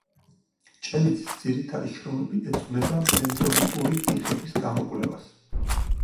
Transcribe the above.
ჭელიძის ძირითადი შრომები ეძღვნება ბენტონიტური თიხების გამოკვლევას.